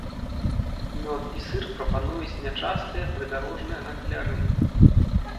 Мёд і сыр прапануюць нячастыя прыдарожныя гандляры.